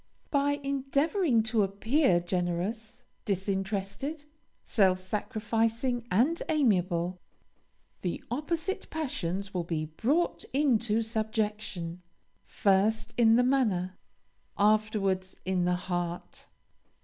By endeavoring to appear generous, disinterested, self sacrificing, and amiable, the opposite passions will be brought into subjection, first in the manner, afterwards in the heart.